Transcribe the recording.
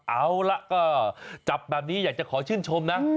เอาละก็จับแบบนี้อยากจะขอชื่นชมนะ